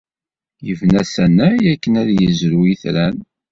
Yebna asanay akken ad yezrew itran.